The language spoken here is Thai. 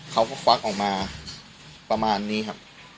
เขาก็ควักออกมาประมาณนี้ครับ